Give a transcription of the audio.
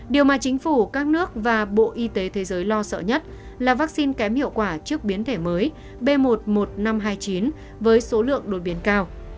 điều mà chính phủ các nước và bộ y tế thế giới lo sợ nhất là vaccine kém hiệu quả trước biến thể mới b một mươi một nghìn năm trăm hai mươi chín với số lượng đột biến cao